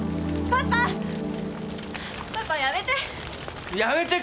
パパやめて。